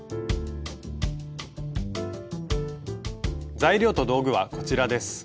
材料と道具はこちらです。